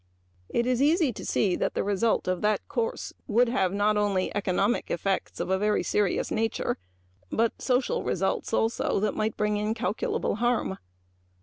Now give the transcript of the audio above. It is easy to see that the result of this course would have not only economic effects of a very serious nature but social results that might bring incalculable harm.